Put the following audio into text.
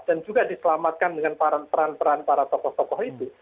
dan juga diselamatkan dengan peran peran para tokoh tokoh itu